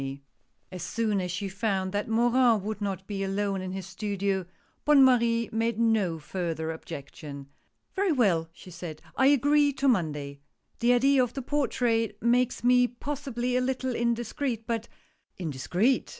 THE PORTRAIT. 131 As soon as she found that Morin would not be alone in his studio, Bonne Marie made no further objection. "Very well," she said, "I agree to Monday, The idea of the portrait makes me possibly a little indis creet, but "" Indiscreet